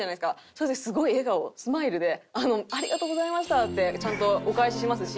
それですごい笑顔スマイルで「ありがとうございました」ってちゃんとお返ししますし。